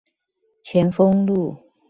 前峰路